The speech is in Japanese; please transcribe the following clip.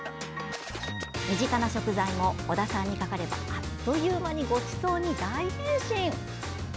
身近な食材も尾田さんにかかればあっという間にごちそうに大変身！